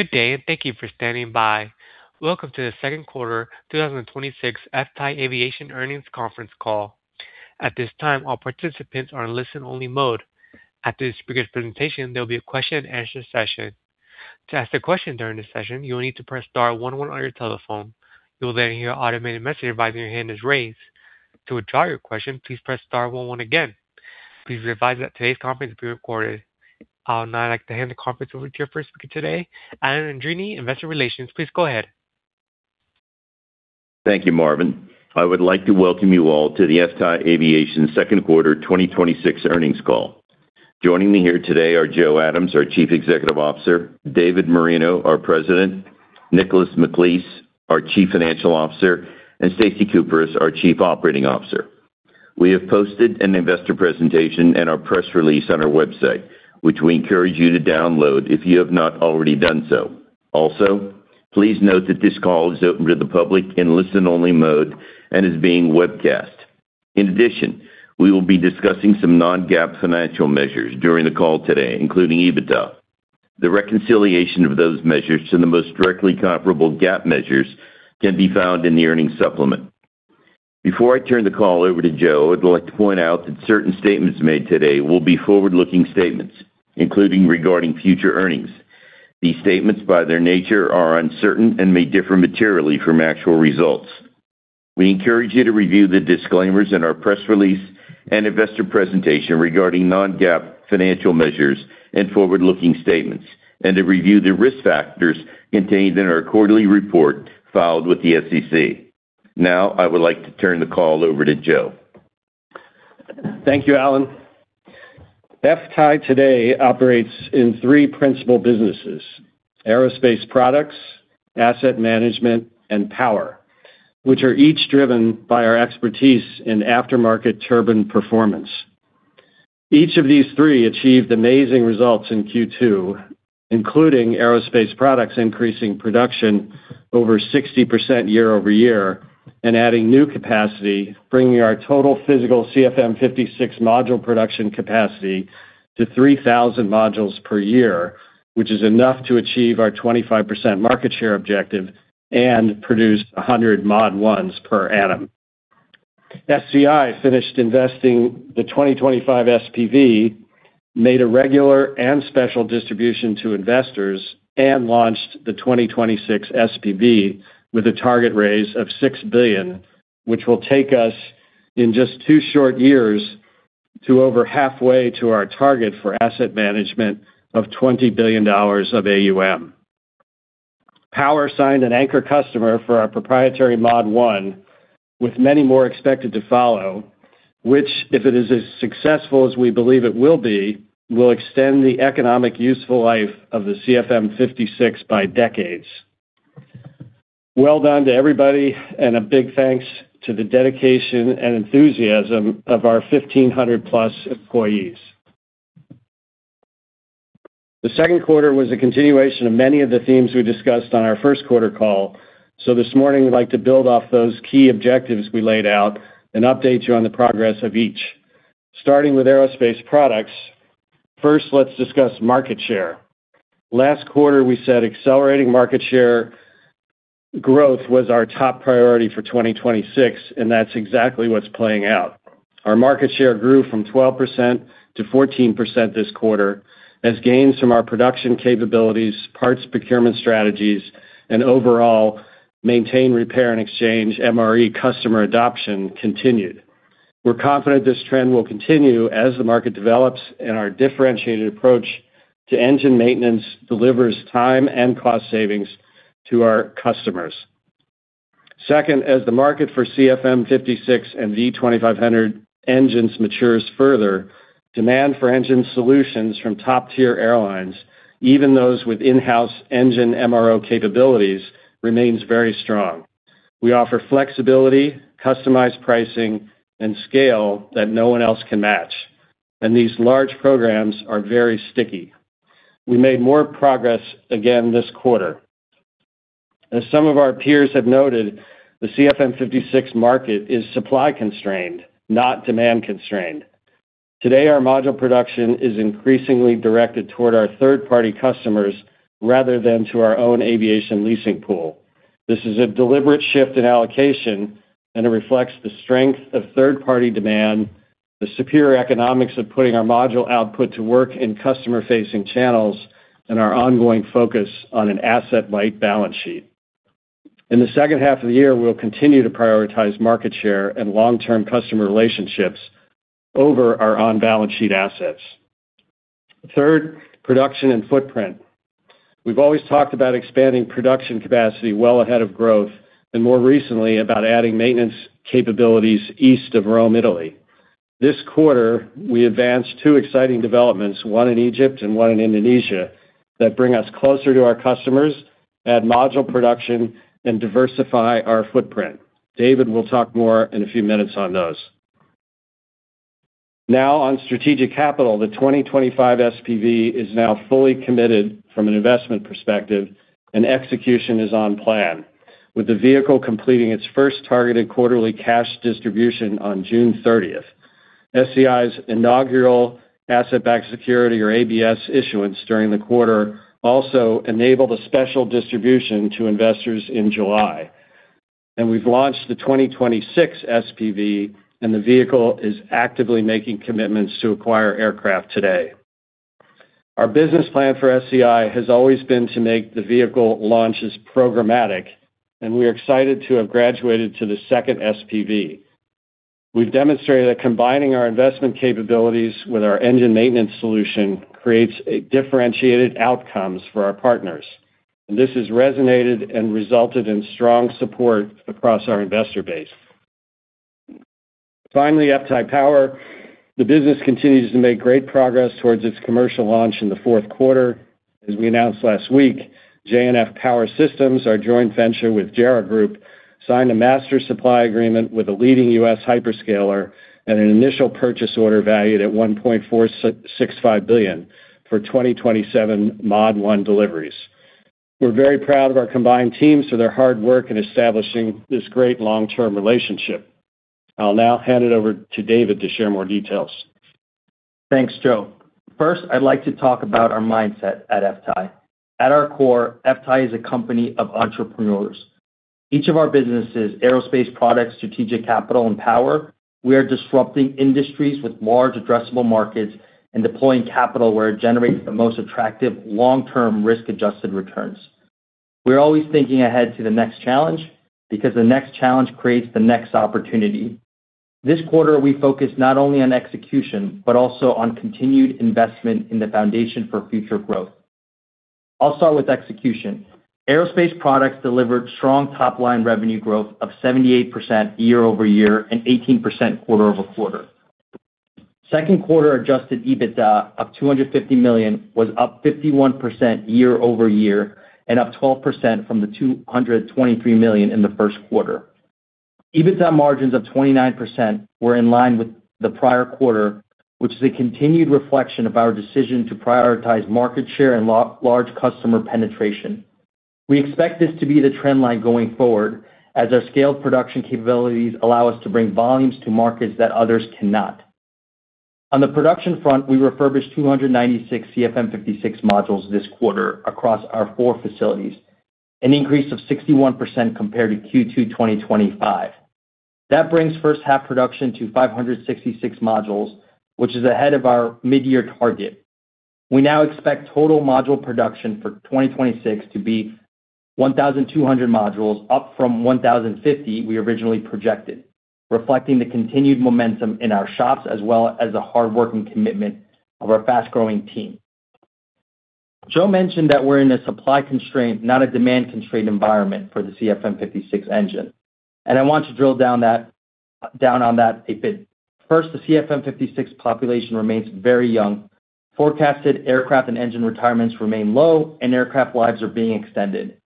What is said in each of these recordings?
Good day. Thank you for standing by. Welcome to the second quarter 2026 FTAI Aviation earnings conference call. At this time, all participants are in listen-only mode. After the speaker's presentation, there will be a question-and-answer session. To ask a question during the session, you will need to press star one one on your telephone. You will then hear an automated message advising your hand is raised. To withdraw your question, please press star one one again. Please be advised that today's conference is being recorded. I would now like to hand the conference over to your first speaker today, Alan Andreini, investor relations. Please go ahead. Thank you, Marvin. I would like to welcome you all to the FTAI Aviation second quarter 2026 earnings call. Joining me here today are Joe Adams, our Chief Executive Officer, David Moreno, our President, Nicholas McAleese, our Chief Financial Officer, and Stacy Kuperus is our Chief Operating Officer. We have posted an investor presentation and our press release on our website, which we encourage you to download if you have not already done so. Please note that this call is open to the public in listen-only mode and is being webcast. In addition, we will be discussing some non-GAAP financial measures during the call today, including EBITDA. The reconciliation of those measures to the most directly comparable GAAP measures can be found in the earnings supplement. Before I turn the call over to Joe, I would like to point out that certain statements made today will be forward-looking statements, including regarding future earnings. These statements, by their nature, are uncertain and may differ materially from actual results. We encourage you to review the disclaimers in our press release and investor presentation regarding non-GAAP financial measures and forward-looking statements, and to review the risk factors contained in our quarterly report filed with the SEC. I would like to turn the call over to Joe. Thank you, Alan. FTAI today operates in three principal businesses: Aerospace Products, Asset Management, and Power, which are each driven by our expertise in aftermarket turbine performance. Each of these three achieved amazing results in Q2, including Aerospace Products increasing production over 60% year-over-year and adding new capacity, bringing our total physical CFM56 module production capacity to 3,000 modules per year, which is enough to achieve our 25% market share objective and produce 100 Mod-1s per annum. FTAI finished investing the 2025 SPV, made a regular and special distribution to investors, and launched the 2026 SPV with a target raise of $6 billion, which will take us, in just 2 short years, to over halfway to our target for Asset Management of $20 billion of AUM. Power signed an anchor customer for our proprietary Mod-1, with many more expected to follow, which, if it is as successful as we believe it will be, will extend the economic useful life of the CFM56 by decades. Well done to everybody, and a big thanks to the dedication and enthusiasm of our 1,500+ employees. The second quarter was a continuation of many of the themes we discussed on our first quarter call. This morning, we'd like to build off those key objectives we laid out and update you on the progress of each. Starting with aerospace products, first, let's discuss market share. Last quarter, we said accelerating market share growth was our top priority for 2026. That's exactly what's playing out. Our market share grew from 12%-14% this quarter as gains from our production capabilities, parts procurement strategies, and overall maintain repair and exchange, MRE customer adoption continued. We're confident this trend will continue as the market develops and our differentiated approach to engine maintenance delivers time and cost savings to our customers. Second, as the market for CFM56 and V2500 engines matures further, demand for engine solutions from top-tier airlines, even those with in-house engine MRO capabilities, remains very strong. We offer flexibility, customized pricing, and scale that no one else can match. These large programs are very sticky. We made more progress again this quarter. As some of our peers have noted, the CFM56 market is supply-constrained, not demand-constrained. Today, our module production is increasingly directed toward our third-party customers rather than to our own aviation leasing pool. This is a deliberate shift in allocation. It reflects the strength of third-party demand, the superior economics of putting our module output to work in customer-facing channels, and our ongoing focus on an asset-light balance sheet. In the second half of the year, we'll continue to prioritize market share and long-term customer relationships over our on-balance sheet assets. Third, production and footprint. We've always talked about expanding production capacity well ahead of growth, and more recently about adding maintenance capabilities east of Rome, Italy. This quarter, we advanced two exciting developments, one in Egypt and one in Indonesia, that bring us closer to our customers, add module production, and diversify our footprint. David will talk more in a few minutes on those. On strategic capital, the 2025 SPV is now fully committed from an investment perspective and execution is on plan, with the vehicle completing its first targeted quarterly cash distribution on June 30th. SCI's inaugural asset-backed security or ABS issuance during the quarter also enabled a special distribution to investors in July. We've launched the 2026 SPV, and the vehicle is actively making commitments to acquire aircraft today. Our business plan for SCI has always been to make the vehicle launches programmatic. We're excited to have graduated to the second SPV. We've demonstrated that combining our investment capabilities with our engine maintenance solution creates differentiated outcomes for our partners. This has resonated and resulted in strong support across our investor base. Finally, FTAI Power. The business continues to make great progress towards its commercial launch in the fourth quarter. As we announced last week, J&F Power Systems, our joint venture with Jereh Group, signed a master supply agreement with a leading U.S. hyperscaler and an initial purchase order valued at $1.465 billion for 2027 Mod-1 deliveries. We're very proud of our combined teams for their hard work in establishing this great long-term relationship. I'll now hand it over to David to share more details. Thanks, Joe. First, I'd like to talk about our mindset at FTAI. At our core, FTAI is a company of entrepreneurs. Each of our businesses, Aerospace Products, Strategic Capital, and Power, we are disrupting industries with large addressable markets and deploying capital where it generates the most attractive long-term risk-adjusted returns. We're always thinking ahead to the next challenge, because the next challenge creates the next opportunity. This quarter, we focused not only on execution, but also on continued investment in the foundation for future growth. I'll start with execution. Aerospace Products delivered strong top-line revenue growth of 78% year-over-year and 18% quarter-over-quarter. Second quarter adjusted EBITDA of $250 million was up 51% year-over-year and up 12% from the $223 million in the first quarter. EBITDA margins of 29% were in line with the prior quarter, which is a continued reflection of our decision to prioritize market share and large customer penetration. We expect this to be the trend line going forward, as our scaled production capabilities allow us to bring volumes to markets that others cannot. On the production front, we refurbished 296 CFM56 modules this quarter across our four facilities, an increase of 61% compared to Q2 2025. That brings first half production to 566 modules, which is ahead of our mid-year target. We now expect total module production for 2026 to be 1,200 modules, up from 1,050 we originally projected, reflecting the continued momentum in our shops, as well as the hard work and commitment of our fast-growing team. Joe mentioned that we're in a supply-constrained, not a demand-constrained environment for the CFM56 engine. I want to drill down on that a bit. First, the CFM56 population remains very young. Forecasted aircraft and engine retirements remain low, and aircraft lives are being extended.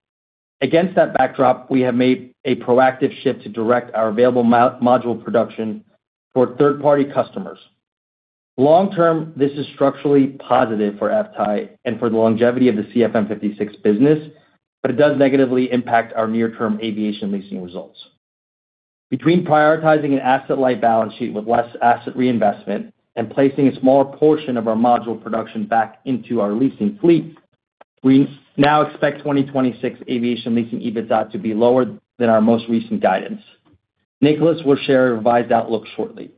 Against that backdrop, we have made a proactive shift to direct our available module production toward third-party customers. Long-term, this is structurally positive for FTAI and for the longevity of the CFM56 business, but it does negatively impact our near-term aviation leasing results. Between prioritizing an asset-light balance sheet with less asset reinvestment and placing a smaller portion of our module production back into our leasing fleet, we now expect 2026 aviation leasing EBITDA to be lower than our most recent guidance. Nicholas will share a revised outlook shortly.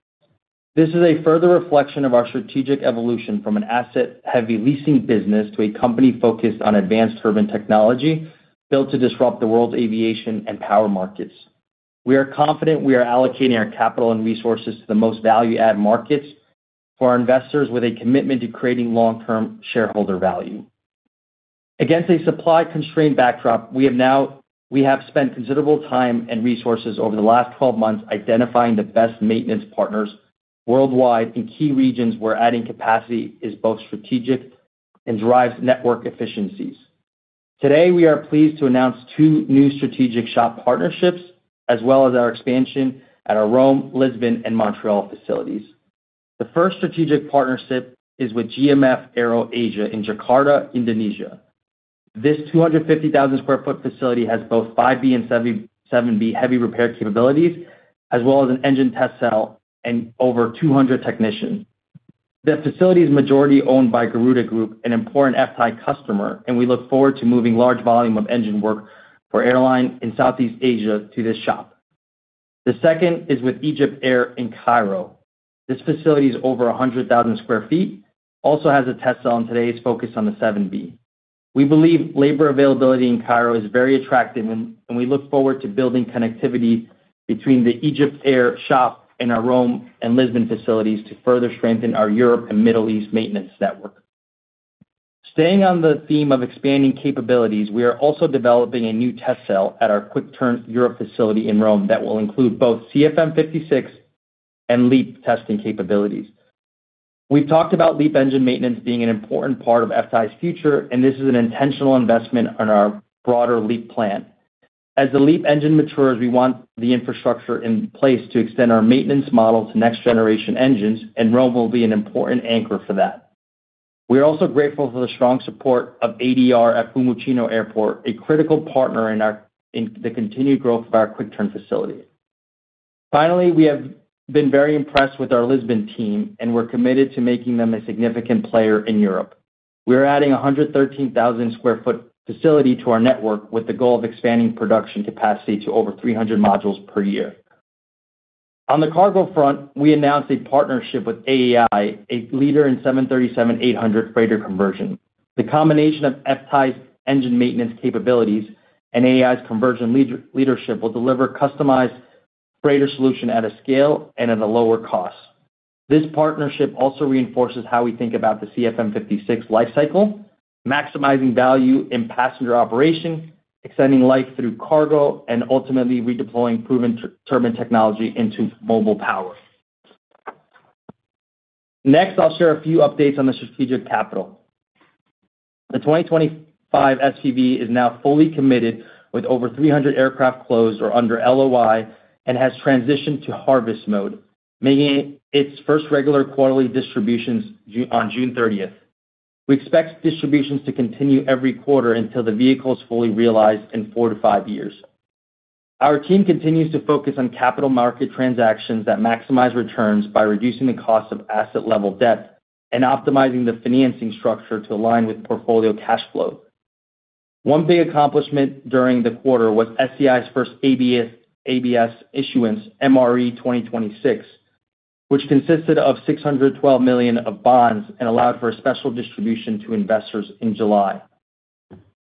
This is a further reflection of our strategic evolution from an asset-heavy leasing business to a company focused on advanced urban technology, built to disrupt the world's aviation and power markets. We are confident we are allocating our capital and resources to the most value-add markets for our investors with a commitment to creating long-term shareholder value. Against a supply-constrained backdrop, we have spent considerable time and resources over the last 12 months identifying the best maintenance partners worldwide in key regions where adding capacity is both strategic and drives network efficiencies. Today, we are pleased to announce two new strategic shop partnerships, as well as our expansion at our Rome, Lisbon, and Montreal facilities. The first strategic partnership is with GMF AeroAsia in Jakarta, Indonesia. This 250,000 sq ft facility has both 5B and 7B heavy repair capabilities, as well as an engine test cell and over 200 technicians. That facility is majority-owned by Garuda Group, an important FTAI customer, and we look forward to moving large volume of engine work for airline in Southeast Asia to this shop. The second is with EgyptAir in Cairo. This facility is over 100,000 sq ft, also has a test cell, and today it's focused on the 7B. We believe labor availability in Cairo is very attractive, and we look forward to building connectivity between the EgyptAir shop and our Rome and Lisbon facilities to further strengthen our Europe and Middle East maintenance network. Staying on the theme of expanding capabilities, we are also developing a new test cell at our quick-turn Europe facility in Rome that will include both CFM56 and LEAP testing capabilities. We've talked about LEAP engine maintenance being an important part of FTAI's future, and this is an intentional investment on our broader LEAP plan. As the LEAP engine matures, we want the infrastructure in place to extend our maintenance model to next-generation engines, and Rome will be an important anchor for that. We are also grateful for the strong support of ADR at Fiumicino Airport, a critical partner in the continued growth of our quick-turn facility. Finally, we have been very impressed with our Lisbon team, and we're committed to making them a significant player in Europe. We are adding a 113,000 sq ft facility to our network with the goal of expanding production capacity to over 300 modules per year. On the cargo front, we announced a partnership with AEI, a leader in 737-800 freighter conversion. The combination of FTAI's engine maintenance capabilities and AEI's conversion leadership will deliver customized freighter solution at a scale and at a lower cost. This partnership also reinforces how we think about the CFM56 lifecycle, maximizing value in passenger operation, extending life through cargo, and ultimately redeploying proven turbine technology into mobile power. Next, I'll share a few updates on the strategic capital. The 2025 SPV is now fully committed with over 300 aircraft closed or under LOI and has transitioned to harvest mode, making its first regular quarterly distributions on June 30th. We expect distributions to continue every quarter until the vehicle is fully realized in four to five years. Our team continues to focus on capital market transactions that maximize returns by reducing the cost of asset-level debt and optimizing the financing structure to align with portfolio cash flow. One big accomplishment during the quarter was SCI's first ABS issuance, MRE 2026, which consisted of $612 million of bonds and allowed for a special distribution to investors in July.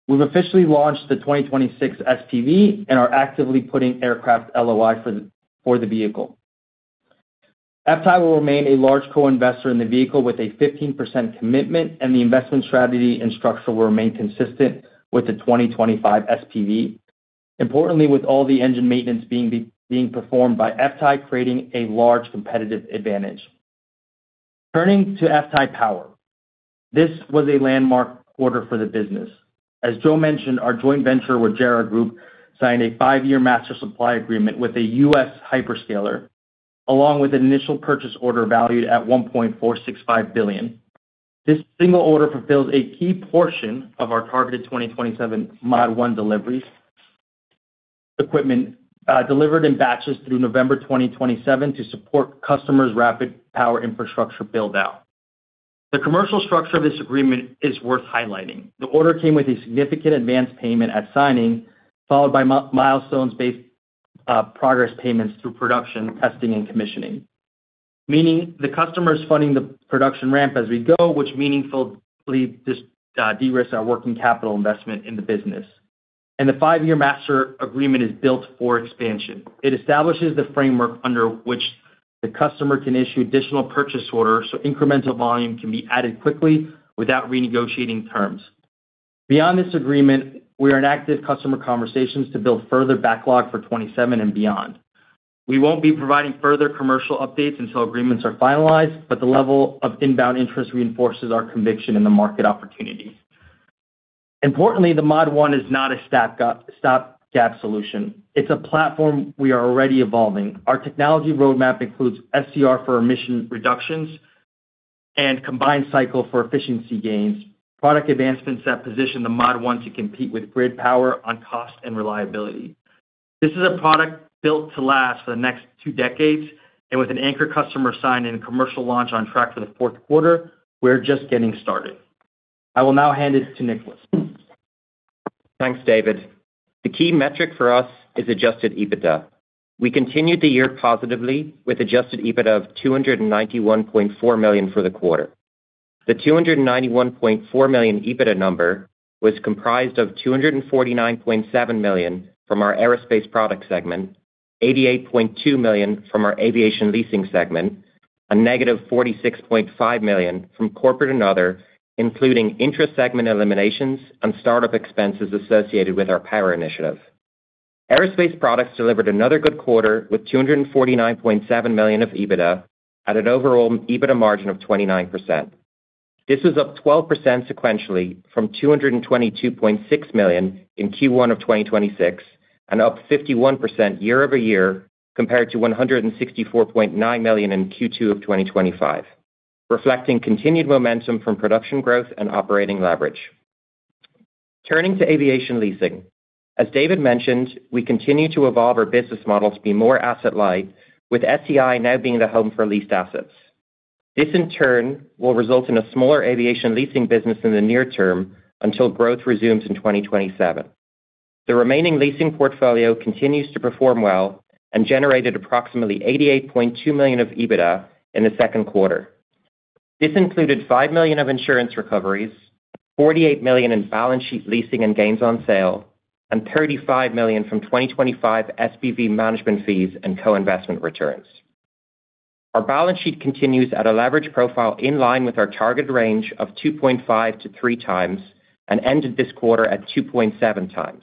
We've officially launched the 2026 SPV and are actively putting aircraft LOI for the vehicle. FTAI will remain a large co-investor in the vehicle with a 15% commitment, and the investment strategy and structure will remain consistent with the 2025 SPV. Importantly, with all the engine maintenance being performed by FTAI, creating a large competitive advantage. Turning to FTAI Power, this was a landmark quarter for the business. As Joe mentioned, our joint venture with Jereh Group signed a five-year master supply agreement with a U.S. hyperscaler, along with an initial purchase order valued at $1.465 billion. This single order fulfills a key portion of our targeted 2027 Mod-1 deliveries equipment delivered in batches through November 2027 to support customers' rapid power infrastructure build-out. The commercial structure of this agreement is worth highlighting. The order came with a significant advance payment at signing, followed by milestones-based progress payments through production, testing, and commissioning, meaning the customer is funding the production ramp as we go, which meaningfully de-risks our working capital investment in the business. The five-year master agreement is built for expansion. It establishes the framework under which the customer can issue additional purchase orders so incremental volume can be added quickly without renegotiating terms. Beyond this agreement, we are in active customer conversations to build further backlog for 2027 and beyond. We won't be providing further commercial updates until agreements are finalized, but the level of inbound interest reinforces our conviction in the market opportunity. Importantly, the Mod-1 is not a stopgap solution. It's a platform we are already evolving. Our technology roadmap includes SCR for emission reductions and combined cycle for efficiency gains, product advancements that position the Mod-1 to compete with grid power on cost and reliability. This is a product built to last for the next two decades, and with an anchor customer signed and a commercial launch on track for the fourth quarter, we're just getting started. I will now hand it to Nicholas. Thanks, David. The key metric for us is adjusted EBITDA. We continued the year positively with adjusted EBITDA of $291.4 million for the quarter. The $291.4 million EBITDA number was comprised of $249.7 million from our aerospace product segment, $88.2 million from our aviation leasing segment, a -$46.5 million from corporate and other, including intra-segment eliminations and start-up expenses associated with our power initiative. Aerospace products delivered another good quarter with $249.7 million of EBITDA at an overall EBITDA margin of 29%. This was up 12% sequentially from $222.6 million in Q1 2026 and up 51% year-over-year compared to $164.9 million in Q2 2025, reflecting continued momentum from production growth and operating leverage. Turning to aviation leasing, as David mentioned, we continue to evolve our business model to be more asset-light, with SCI now being the home for leased assets. This in turn will result in a smaller aviation leasing business in the near term until growth resumes in 2027. The remaining leasing portfolio continues to perform well and generated approximately $88.2 million of EBITDA in the second quarter. This included $5 million of insurance recoveries, $48 million in balance sheet leasing and gains on sale, and $35 million from 2025 SPV management fees and co-investment returns. Our balance sheet continues at a leverage profile in line with our target range of 2.5x to 3x and ended this quarter at 2.7x.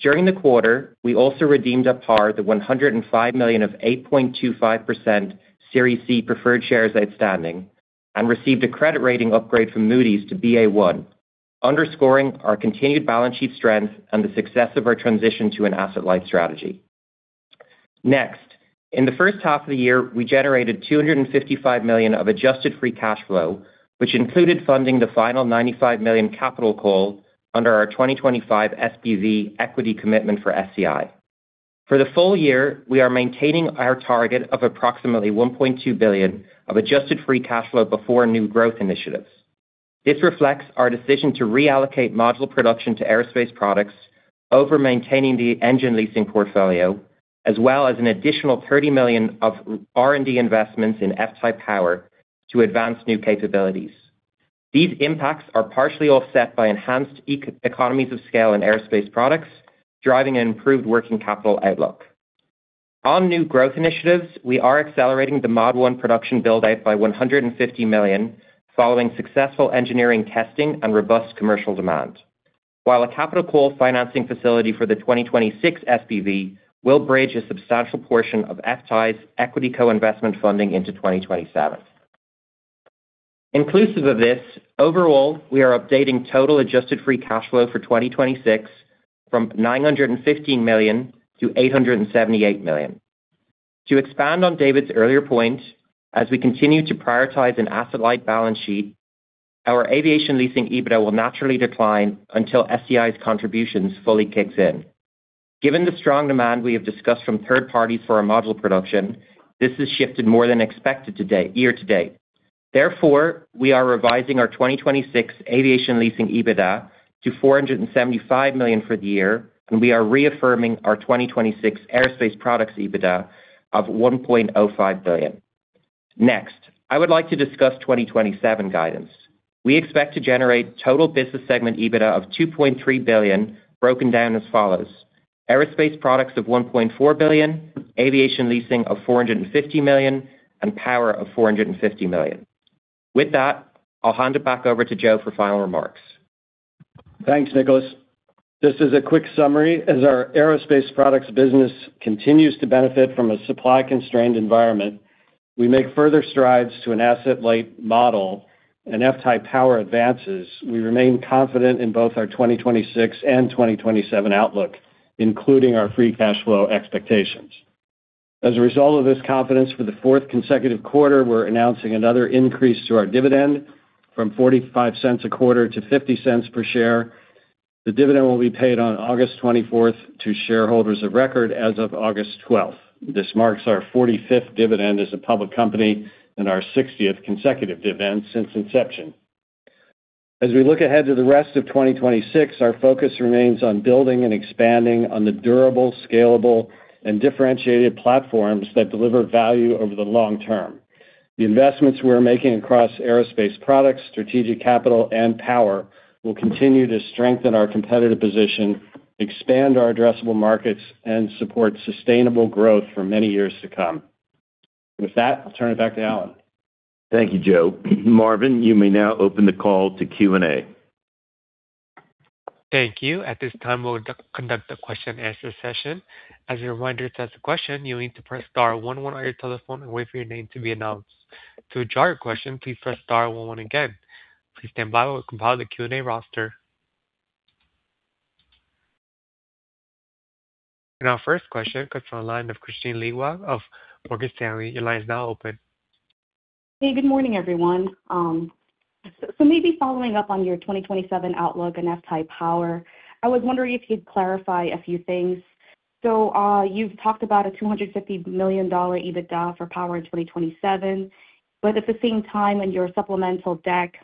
During the quarter, we also redeemed at par the $105 million of 8.25% Series C preferred shares outstanding and received a credit rating upgrade from Moody's to Ba1, underscoring our continued balance sheet strength and the success of our transition to an asset-light strategy. In the first half of the year, we generated $255 million of adjusted free cash flow, which included funding the final $95 million capital call under our 2025 SCI equity commitment for SCI. For the full year, we are maintaining our target of approximately $1.2 billion of adjusted free cash flow before new growth initiatives. This reflects our decision to reallocate module production to aerospace products over maintaining the engine leasing portfolio, as well as an additional $30 million of R&D investments in FTAI Power to advance new capabilities. These impacts are partially offset by enhanced economies of scale in aerospace products, driving an improved working capital outlook. On new growth initiatives, we are accelerating the Mod-1 production build-out by $150 million following successful engineering testing and robust commercial demand. A capital call financing facility for the 2026 SPV will bridge a substantial portion of FTAI's equity co-investment funding into 2027. Inclusive of this, overall, we are updating total adjusted free cash flow for 2026 from $915 million to $878 million. To expand on David's earlier point, as we continue to prioritize an asset-light balance sheet, our aviation leasing EBITDA will naturally decline until SCI's contributions fully kicks in. Given the strong demand we have discussed from third parties for our module production, this has shifted more than expected year-to-date. Therefore, we are revising our 2026 aviation leasing EBITDA to $475 million for the year, and we are reaffirming our 2026 aerospace products EBITDA of $1.05 billion. I would like to discuss 2027 guidance. We expect to generate total business segment EBITDA of $2.3 billion broken down as follows: aerospace products of $1.4 billion, aviation leasing of $450 million and power of $450 million. With that, I'll hand it back over to Joe for final remarks. Thanks, Nicholas. Just as a quick summary, as our aerospace products business continues to benefit from a supply-constrained environment, we make further strides to an asset-light model and FTAI Power advances, we remain confident in both our 2026 and 2027 outlook, including our free cash flow expectations. As a result of this confidence, for the fourth consecutive quarter, we're announcing another increase to our dividend from $0.45 a quarter to $0.50 per share. The dividend will be paid on August 24th to shareholders of record as of August 12th. This marks our 45th dividend as a public company and our 60th consecutive dividend since inception. As we look ahead to the rest of 2026, our focus remains on building and expanding on the durable, scalable, and differentiated platforms that deliver value over the long term. The investments we are making across aerospace products, Strategic Capital, and power will continue to strengthen our competitive position, expand our addressable markets, and support sustainable growth for many years to come. With that, I'll turn it back to Alan. Thank you, Joe. Marvin, you may now open the call to Q&A. Thank you. At this time, we'll conduct the question-and-answer session. As a reminder, to ask a question, you need to press star one one on your telephone and wait for your name to be announced. To withdraw your question, please press star one one again. Please stand by while we compile the Q&A roster. Our first question comes from the line of Kristine Liwag of Morgan Stanley. Your line is now open. Hey, good morning, everyone. Maybe following up on your 2027 outlook and FTAI Power, I was wondering if you'd clarify a few things. You've talked about a $250 million EBITDA for Power in 2027. At the same time, in your supplemental deck,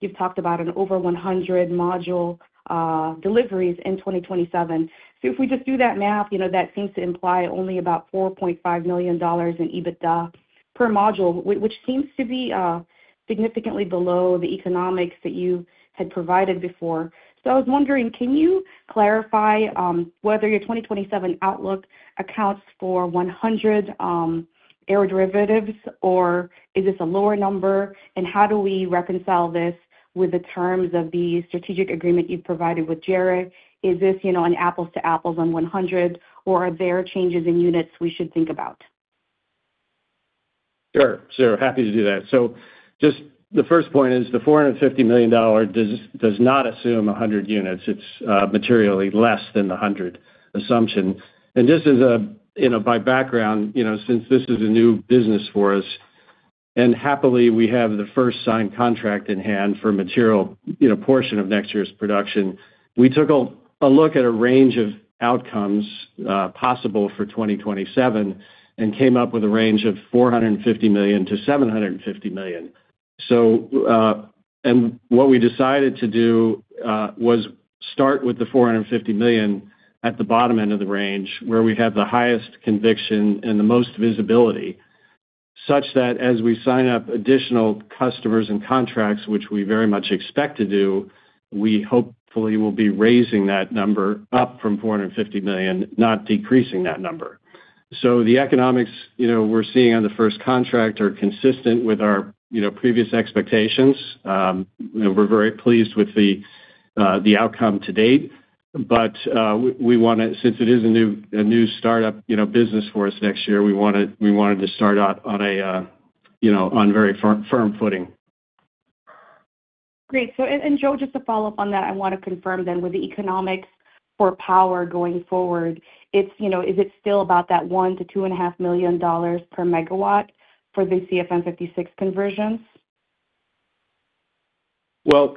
you've talked about an over 100 module deliveries in 2027. If we just do that math, that seems to imply only about $4.5 million in EBITDA per module, which seems to be significantly below the economics that you had provided before. I was wondering, can you clarify whether your 2027 outlook accounts for 100 aeroderivatives, or is this a lower number? How do we reconcile this with the terms of the strategic agreement you've provided with Jereh? Is this an apples-to-apples on 100, or are there changes in units we should think about? Sure. Happy to do that. Just the first point is the $450 million does not assume 100 units. It's materially less than the 100 assumption. By background, since this is a new business for us, and happily, we have the first signed contract in hand for a material portion of next year's production. We took a look at a range of outcomes possible for 2027 and came up with a range of $450 million-$750 million. What we decided to do, was start with the $450 million at the bottom end of the range where we have the highest conviction and the most visibility, such that as we sign up additional customers and contracts, which we very much expect to do, we hopefully will be raising that number up from $450 million, not decreasing that number. The economics we're seeing on the first contract are consistent with our previous expectations. We're very pleased with the outcome to date. Since it is a new startup business for us next year, we wanted to start out on very firm footing. Great. Joe, just to follow up on that, I want to confirm with the economics for power going forward, is it still about that $1 million-$2.5 million per megawatt for the CFM56 conversions? Well,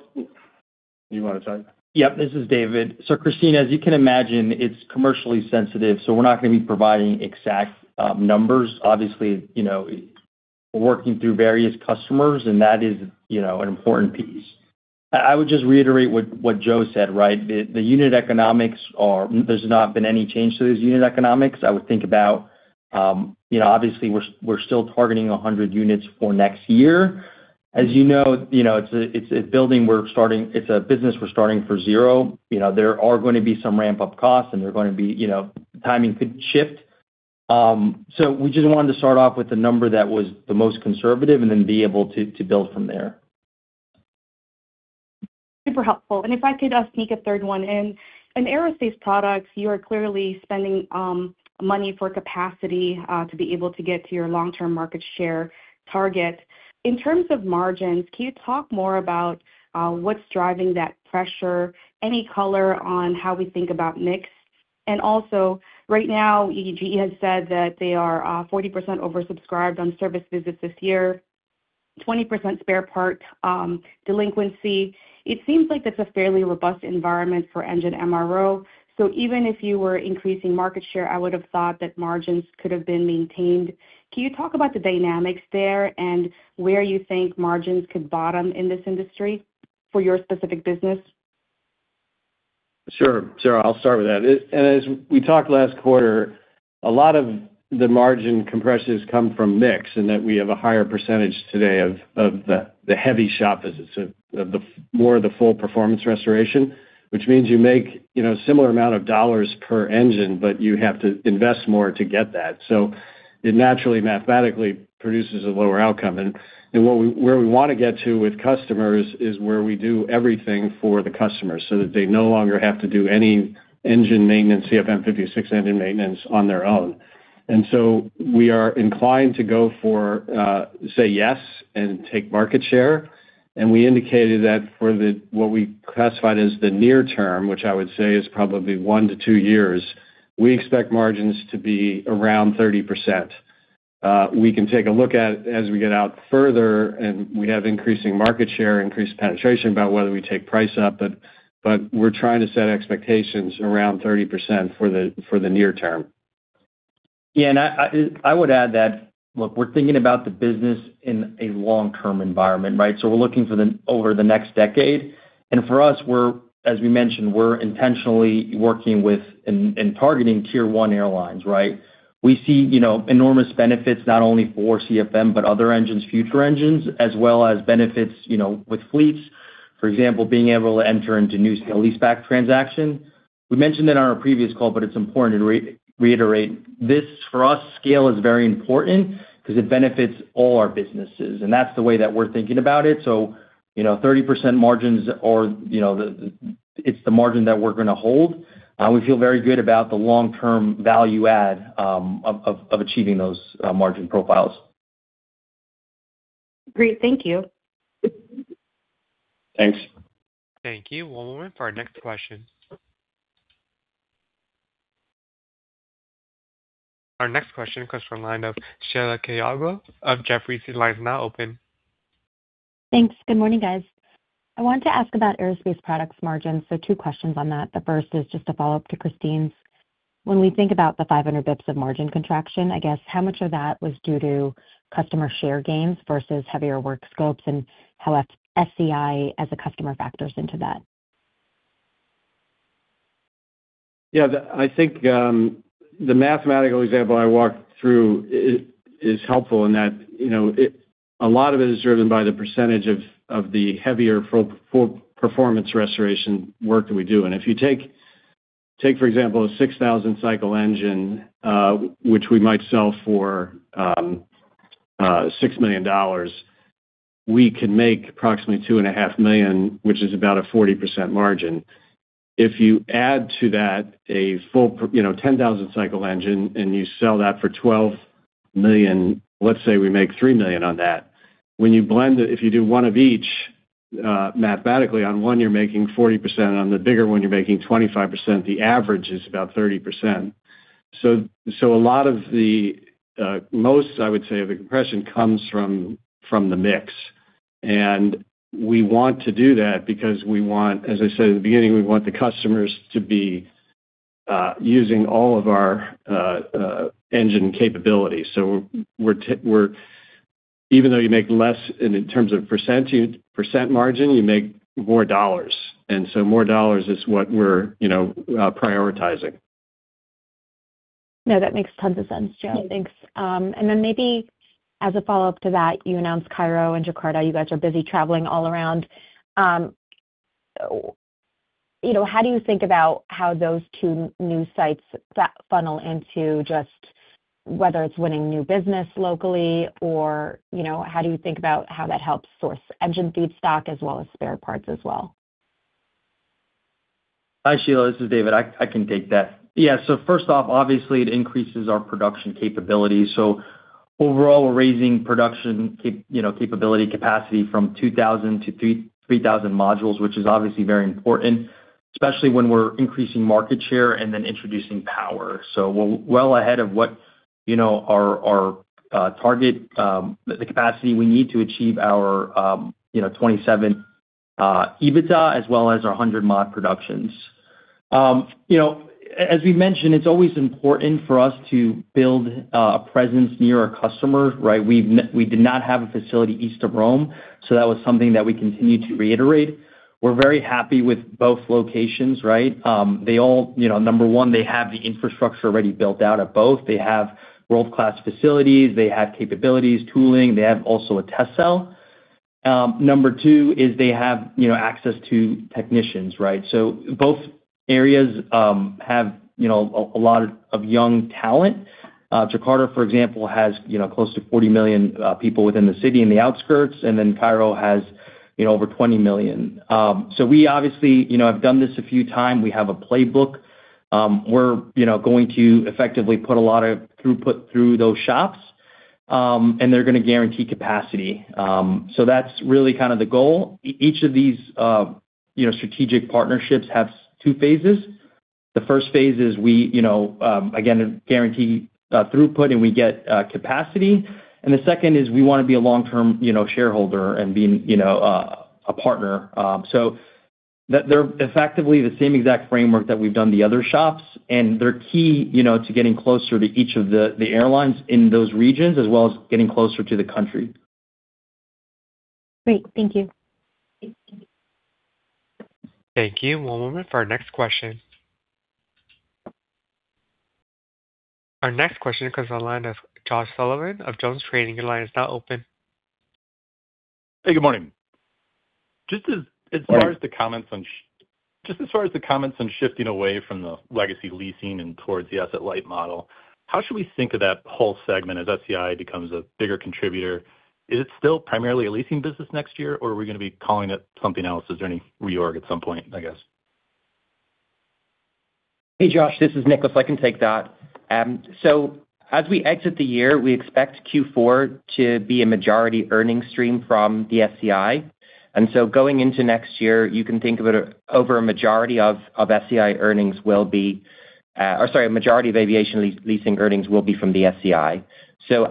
you want to take that? Yep, this is David. Kristine, as you can imagine, it's commercially sensitive. We're not going to be providing exact numbers. We're working through various customers, and that is an important piece. I would just reiterate what Joe said, right? The unit economics, there's not been any change to those unit economics. We're still targeting 100 units for next year. As you know, it's a business we're starting from zero. There are going to be some ramp-up costs, and timing could shift. We just wanted to start off with a number that was the most conservative and then be able to build from there. Super helpful. If I could ask Nicholas a third one. In aerospace products, you are clearly spending money for capacity to be able to get to your long-term market share target. In terms of margins, can you talk more about what's driving that pressure? Any color on how we think about mix, right now, GE Aerospace has said that they are 40% oversubscribed on service visits this year, 20% spare part delinquency. It seems like that's a fairly robust environment for engine MRO. Even if you were increasing market share, I would've thought that margins could have been maintained. Can you talk about the dynamics there and where you think margins could bottom in this industry for your specific business? Sure. I'll start with that. As we talked last quarter, a lot of the margin compressions come from mix in that we have a higher percentage today of the heavy shop visits, of more of the full performance restoration, which means you make similar amount of dollars per engine, but you have to invest more to get that. It naturally, mathematically produces a lower outcome. Where we want to get to with customers is where we do everything for the customers, so that they no longer have to do any engine maintenance, CFM56 engine maintenance, on their own. We are inclined to go for, say yes and take market share. We indicated that for what we classified as the near term, which I would say is probably one to two years, we expect margins to be around 30%. We can take a look at it as we get out further, and we have increasing market share, increased penetration about whether we take price up, but we're trying to set expectations around 30% for the near term. I would add that, look, we're thinking about the business in a long-term environment, right? We're looking over the next decade, and for us, as we mentioned, we're intentionally working with and targeting tier one airlines, right? We see enormous benefits not only for CFM, but other engines, future engines, as well as benefits with fleets. For example, being able to enter into new leaseback transactions. We mentioned it on our previous call, but it's important to reiterate, this for us, scale is very important because it benefits all our businesses, and that's the way that we're thinking about it. 30% margins, it's the margin that we're going to hold. We feel very good about the long-term value add of achieving those margin profiles. Great. Thank you. Thanks. Thank you. One moment for our next question. Our next question comes from the line of Sheila Kahyaoglu of Jefferies. Your line is now open. Thanks. Good morning, guys. I wanted to ask about aerospace products margins, two questions on that. The first is just a follow-up to Kristine's. When we think about the 500 basis points of margin contraction, I guess, how much of that was due to customer share gains versus heavier work scopes and how SCI as a customer factors into that? Yeah, I think the mathematical example I walked through is helpful in that a lot of it is driven by the percentage of the heavier full performance restoration work that we do. If you take, for example, a 6,000-cycle engine, which we might sell for $6 million, we can make approximately $2.5 million, which is about a 40% margin. If you add to that a 10,000-cycle engine, you sell that for $12 million, let's say we make $3 million on that. When you blend it, if you do one of each, mathematically on one, you're making 40%, on the bigger one, you're making 25%. The average is about 30%. A lot of the most, I would say, of the compression comes from the mix. We want to do that because we want, as I said at the beginning, we want the customers to be using all of our engine capabilities. Even though you make less in terms of percent margin, you make more dollars, more dollars is what we're prioritizing. No, that makes tons of sense, Joe. Thanks. Maybe as a follow-up to that, you announced Cairo and Jakarta, you guys are busy traveling all around. How do you think about how those two new sites funnel into just whether it's winning new business locally or how do you think about how that helps source engine feedstock as well as spare parts as well? Hi, Sheila, this is David. I can take that. Yeah. First off, obviously, it increases our production capability. Overall, we're raising production capability capacity from 2,000 to 3,000 modules, which is obviously very important, especially when we're increasing market share introducing power. We're well ahead of what our target, the capacity we need to achieve our 2027 EBITDA, as well as our 100 mod productions. As we mentioned, it's always important for us to build a presence near our customer, right? We did not have a facility east of Rome, that was something that we continued to reiterate. We're very happy with both locations, right? Number one, they have the infrastructure already built out at both. They have world-class facilities. They have capabilities, tooling. They have also a test cell. Number two is they have access to technicians, right? Both areas have a lot of young talent. Jakarta, for example, has close to 40 million people within the city in the outskirts, and Cairo has over 20 million. We obviously have done this a few times. We have a playbook. We're going to effectively put a lot of throughput through those shops, and they're going to guarantee capacity. That's really the goal. Each of these strategic partnerships has two phases. The first phase is we, again, guarantee throughput, and we get capacity. The second is we want to be a long-term shareholder and be a partner. They're effectively the same exact framework that we've done the other shops, and they're key to getting closer to each of the airlines in those regions, as well as getting closer to the country. Great. Thank you. Thank you. One moment for our next question. Our next question comes on the line of Josh Sullivan of Jones Trading. Your line is now open. Hey, good morning. Just as far as the comments on shifting away from the legacy leasing and towards the asset-light model, how should we think of that whole segment as SCI becomes a bigger contributor? Is it still primarily a leasing business next year, or are we going to be calling it something else? Is there any reorg at some point, I guess? Hey, Josh, this is Nicholas. I can take that. As we exit the year, we expect Q4 to be a majority earning stream from the SCI. Going into next year, you can think of it over a majority of SCI earnings will be a majority of aviation leasing earnings will be from the SCI.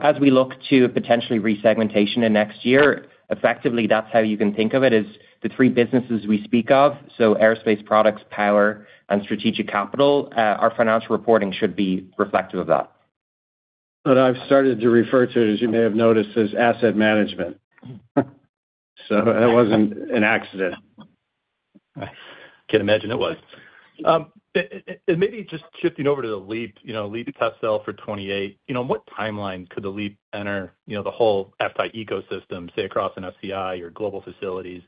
As we look to potentially resegmentation in next year, effectively, that's how you can think of it, is the three businesses we speak of. Aerospace products, Power, and Strategic Capital, our financial reporting should be reflective of that. I've started to refer to it, as you may have noticed, as asset management. That wasn't an accident. I can imagine it was. Maybe just shifting over to the LEAP test cell for 2028, what timeline could the LEAP enter the whole FTAI ecosystem, say, across an SCI or global facilities?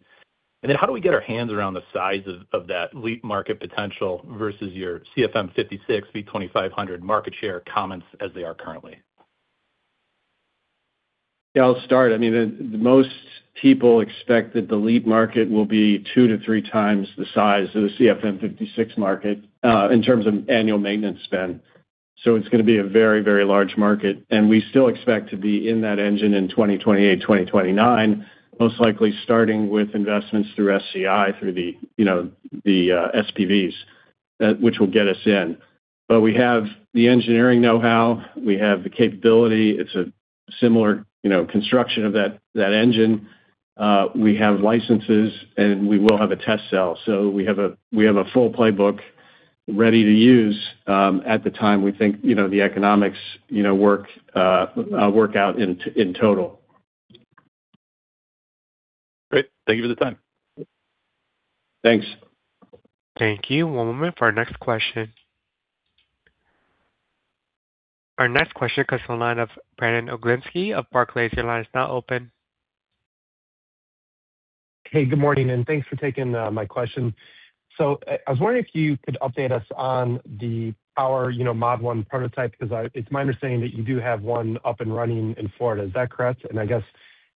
How do we get our hands around the size of that LEAP market potential versus your CFM56V2500 market share comments as they are currently? Yeah, I'll start. Most people expect that the LEAP market will be 2x to 3x the size of the CFM56 market in terms of annual maintenance spend. It's going to be a very, very large market, and we still expect to be in that engine in 2028, 2029, most likely starting with investments through SCI, through the SPVs, which will get us in. We have the engineering know-how. We have the capability. It's a similar construction of that engine. We have licenses, and we will have a test cell. We have a full playbook ready to use at the time we think the economics work out in total. Great. Thank you for the time. Thanks. Thank you. One moment for our next question. Our next question comes from the line of Brandon Oglenski of Barclays. Your line is now open. Hey, good morning, and thanks for taking my question. I was wondering if you could update us on the Power Mod-1 prototype, because it's my understanding that you do have one up and running in Florida. Is that correct? I guess,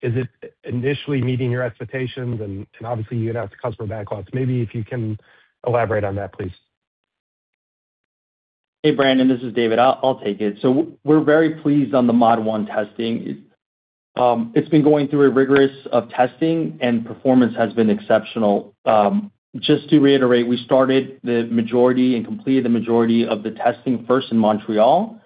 is it initially meeting your expectations? Obviously, you'd have to customize backlogs. Maybe if you can elaborate on that, please. Hey, Brandon. This is David. I'll take it. We're very pleased on the Mod-1 testing. It's been going through rigorous testing, and performance has been exceptional. Just to reiterate, we started the majority and completed the majority of the testing first in Montreal,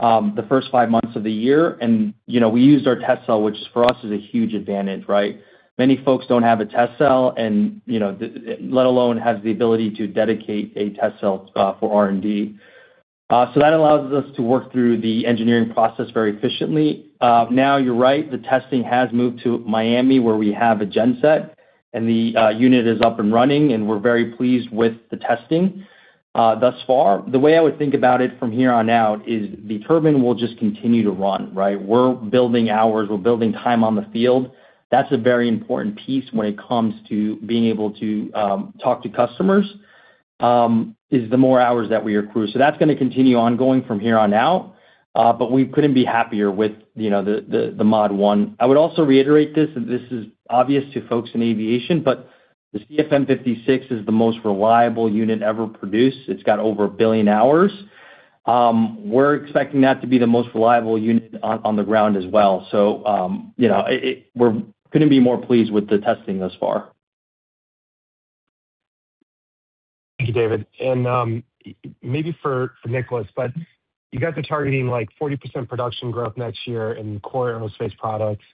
the first five months of the year, and we used our test cell, which for us is a huge advantage, right? Many folks don't have a test cell, let alone have the ability to dedicate a test cell for R&D. That allows us to work through the engineering process very efficiently. Now you're right, the testing has moved to Miami, where we have a gen set, and the unit is up and running, and we're very pleased with the testing thus far. The way I would think about it from here on out is the turbine will just continue to run, right? We're building hours, we're building time on the field. That's a very important piece when it comes to being able to talk to customers, is the more hours that we accrue. That's going to continue ongoing from here on out, but we couldn't be happier with the Mod-1. I would also reiterate this, and this is obvious to folks in aviation, but the CFM56 is the most reliable unit ever produced. It's got over one billion hours. We're expecting that to be the most reliable unit on the ground as well. We couldn't be more pleased with the testing thus far. Thank you, David. Maybe for Nicholas, you guys are targeting 40% production growth next year in core aerospace products.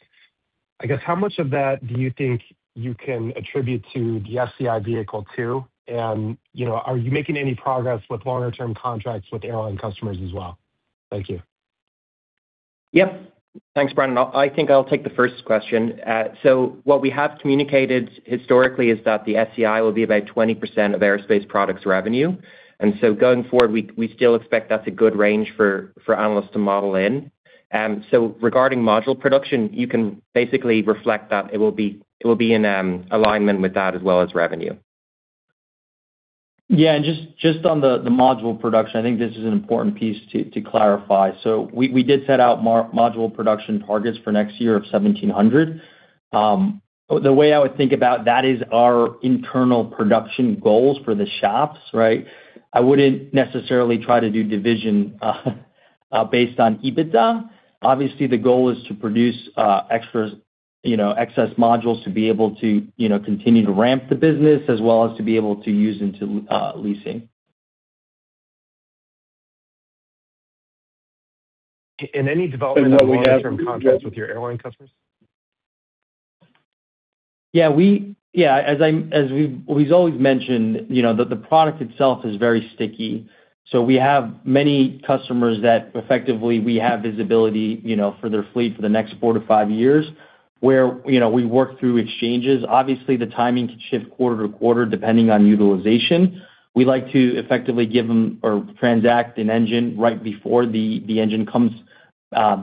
I guess, how much of that do you think you can attribute to the SCI vehicle 2? Are you making any progress with longer-term contracts with airline customers as well? Thank you. Yep. Thanks, Brandon. I think I'll take the first question. What we have communicated historically is that the SCI will be about 20% of aerospace products revenue. Going forward, we still expect that's a good range for analysts to model in. Regarding module production, you can basically reflect that it will be in alignment with that as well as revenue. Yeah. Just on the module production, I think this is an important piece to clarify. We did set out module production targets for next year of 1,700. The way I would think about that is our internal production goals for the shops. Right? I wouldn't necessarily try to do division based on EBITDA. Obviously, the goal is to produce excess modules to be able to continue to ramp the business as well as to be able to use into leasing. Any development on the longer-term contracts with your airline customers? Yeah. As we've always mentioned, the product itself is very sticky. We have many customers that effectively we have visibility for their fleet for the next four to five years, where we work through exchanges. Obviously, the timing can shift quarter-to-quarter depending on utilization. We like to effectively give them or transact an engine right before the engine comes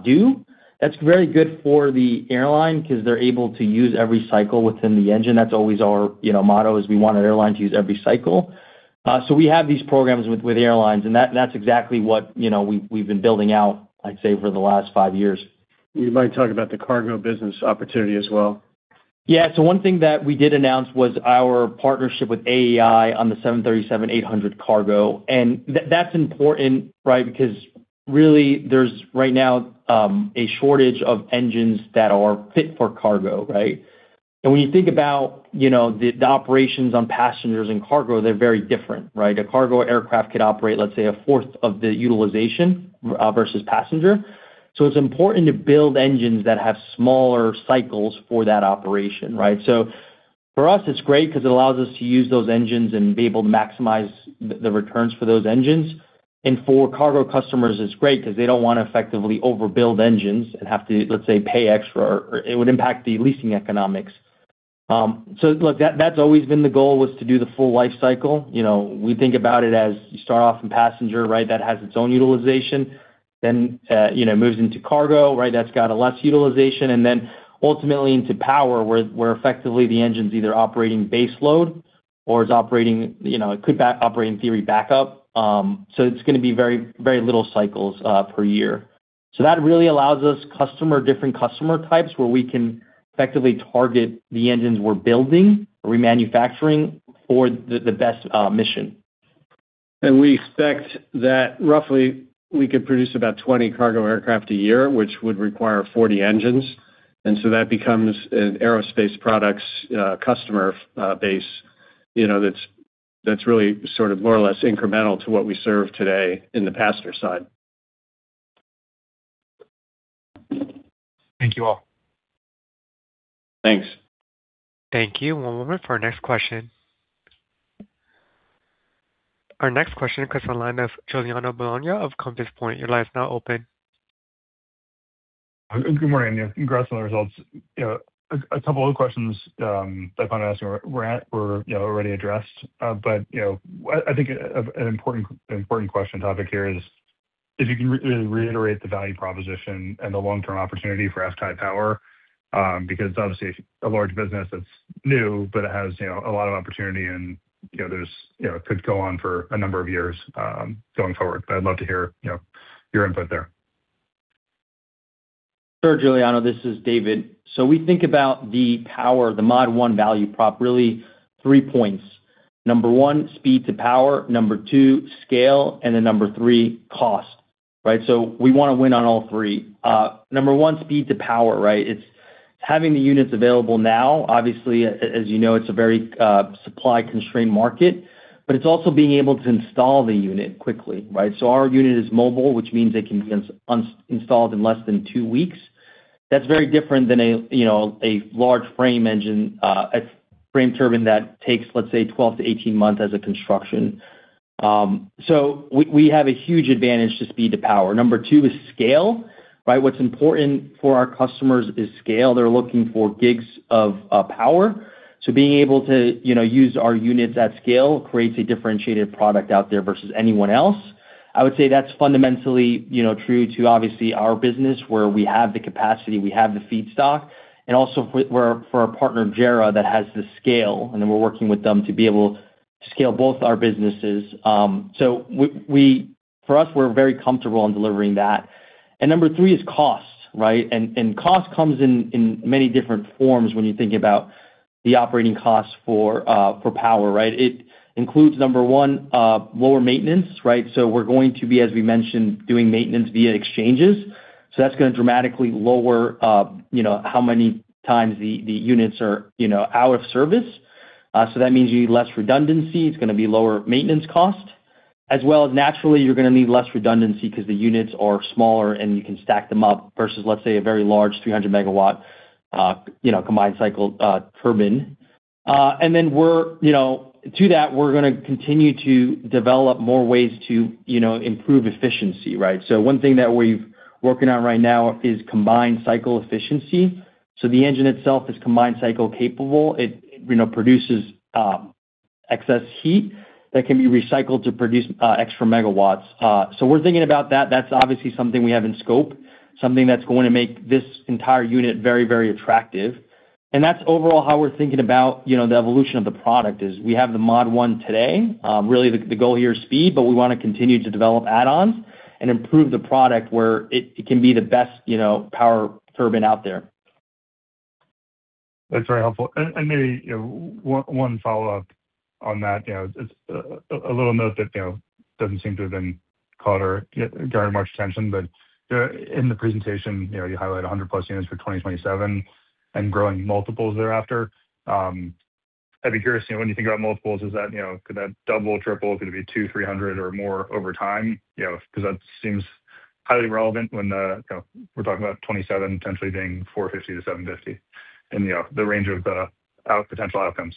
due. That's very good for the airline because they're able to use every cycle within the engine. That's always our motto is we want an airline to use every cycle. We have these programs with airlines, and that's exactly what we've been building out, I'd say, for the last five years. You might talk about the cargo business opportunity as well. Yeah. One thing that we did announce was our partnership with AEI on the 737-800 cargo. That's important, because really there's right now a shortage of engines that are fit for cargo. Right? When you think about the operations on passengers and cargo, they're very different. Right? A cargo aircraft could operate, let's say, a fourth of the utilization versus passenger. It's important to build engines that have smaller cycles for that operation. Right? For us, it's great because it allows us to use those engines and be able to maximize the returns for those engines. For cargo customers, it's great because they don't want to effectively overbuild engines and have to, let's say, pay extra, or it would impact the leasing economics. Look, that's always been the goal, was to do the full life cycle. We think about it as you start off in passenger, right, that has its own utilization, then moves into cargo, that's got a less utilization, and then ultimately into power, where effectively the engine's either operating base load or it could operate, in theory, backup. It's going to be very little cycles per year. That really allows us different customer types where we can effectively target the engines we're building or remanufacturing for the best mission. We expect that roughly we could produce about 20 cargo aircraft a year, which would require 40 engines. That becomes an aerospace products customer base that's really sort of more or less incremental to what we serve today in the passenger side. Thank you all. Thanks. Thank you. One moment for our next question. Our next question comes on the line of Giuliano Bologna of Compass Point. Your line is now open. Good morning. Congrats on the results. A couple of questions that I planned on asking were already addressed. I think an important question topic here is, if you can reiterate the value proposition and the long-term opportunity for FTAI Power. Obviously it's a large business that's new, but it has a lot of opportunity, and it could go on for a number of years going forward. I'd love to hear your input there. Sure, Giuliano, this is David. We think about the power, the Mod-1 value prop, really three points. Number one, speed to power. Number two, scale. And then number three, cost. Right? We want to win on all three. Number one, speed to power. It's having the units available now. Obviously, as you know, it's a very supply-constrained market, it's also being able to install the unit quickly. Right? Our unit is mobile, which means it can be installed in less than two weeks. That's very different than a large frame turbine that takes, let's say, 12 to 18 months as a construction. We have a huge advantage to speed to power. Number two is scale. What's important for our customers is scale. They're looking for gigs of power. Being able to use our units at scale creates a differentiated product out there versus anyone else. I would say that's fundamentally true to obviously our business, where we have the capacity, we have the feedstock, also for our partner, Jereh, that has the scale, we're working with them to be able to scale both our businesses. For us, we're very comfortable in delivering that. Number three is cost. Right? Cost comes in many different forms when you think about the operating costs for Power, right? It includes, number one, lower maintenance, right? We're going to be, as we mentioned, doing maintenance via exchanges. That's going to dramatically lower how many times the units are out of service. That means you need less redundancy. It's going to be lower maintenance cost as well as, naturally, you're going to need less redundancy the units are smaller, and you can stack them up versus, let's say, a very large 300 MW combined cycle turbine. To that, we're going to continue to develop more ways to improve efficiency, right? One thing that we're working on right now is combined cycle efficiency. The engine itself is combined cycle capable. It produces excess heat that can be recycled to produce extra megawatts. We're thinking about that. That's obviously something we have in scope, something that's going to make this entire unit very, very attractive. That's overall how we're thinking about the evolution of the product is we have the Mod-1 today. Really, the goal here is speed, but we want to continue to develop add-ons and improve the product where it can be the best power turbine out there. That's very helpful. Maybe one follow-up on that. A little note that doesn't seem to have been caught or gotten much attention, but in the presentation, you highlight 100+ units for 2027 and growing multiples thereafter. I'd be curious, when you think about multiples, could that double, triple? Is it going to be 200, 300 or more over time? Because that seems highly relevant when we're talking about 2027 potentially being 450-750 and the range of the potential outcomes.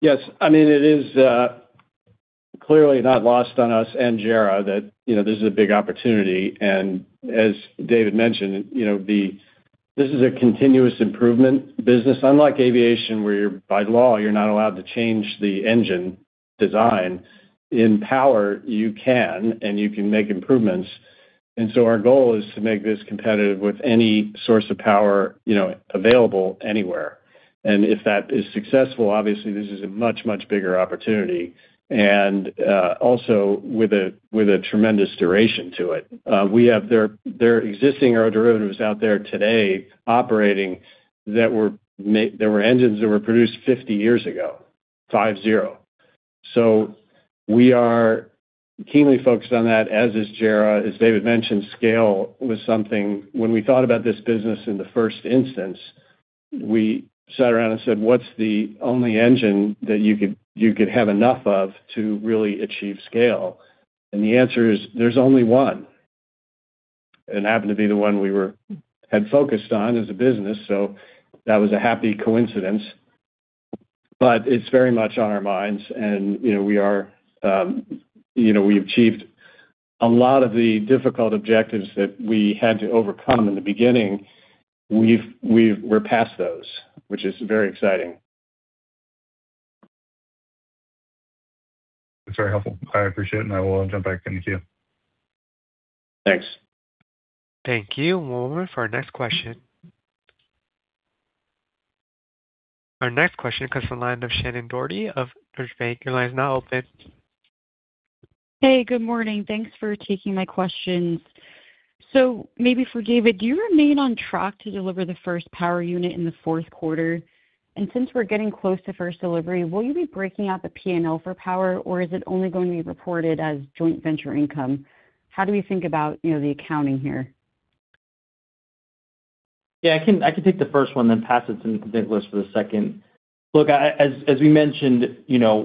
Yes, it is clearly not lost on us and Jereh that this is a big opportunity. As David mentioned, this is a continuous improvement business. Unlike aviation, where by law, you're not allowed to change the engine design, in Power, you can, and you can make improvements. Our goal is to make this competitive with any source of power available anywhere. If that is successful, obviously this is a much, much bigger opportunity and also with a tremendous duration to it. There are existing aero-derivatives out there today operating that were engines that were produced 50 years ago. We are keenly focused on that, as is Jereh. As David mentioned, scale was something when we thought about this business in the first instance, we sat around and said, "What's the only engine that you could have enough of to really achieve scale?" The answer is there's only one, and it happened to be the one we had focused on as a business, so that was a happy coincidence. It's very much on our minds, and we achieved a lot of the difficult objectives that we had to overcome in the beginning. We're past those, which is very exciting. That's very helpful. I appreciate it. I will jump back in with you. Thanks. Thank you. We'll move on for our next question. Our next question comes from the line of Shannon Doherty of Deutsche Bank. Your line is now open. Hey, good morning. Thanks for taking my questions. Maybe for David, do you remain on track to deliver the first power unit in the fourth quarter? Since we're getting close to first delivery, will you be breaking out the P&L for Power, or is it only going to be reported as joint venture income? How do we think about the accounting here? Yeah, I can take the first one, then pass it to Nicholas for the second. Look, as we mentioned,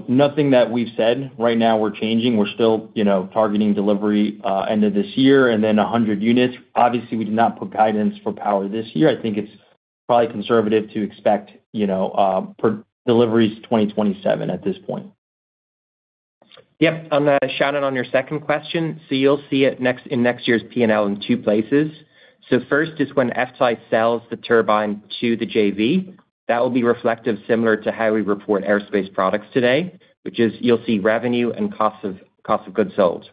nothing that we've said right now we're changing. We're still targeting delivery end of this year and then 100 units. Obviously, we did not put guidance for Power this year. I think it's probably conservative to expect deliveries 2027 at this point. Shannon, on your second question, you'll see it in next year's P&L in two places. First is when FTAI sells the turbine to the JV. That will be reflective, similar to how we report aerospace products today, which is you'll see revenue and cost of goods sold.